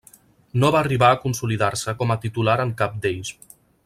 No va arribar a consolidar-se com a titular en cap d'ells.